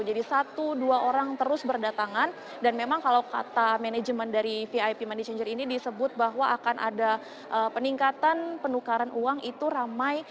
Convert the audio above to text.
jadi satu dua orang terus berdatangan dan memang kalau kata manajemen dari vip money changer ini disebut bahwa akan ada peningkatan penukaran uang itu ramai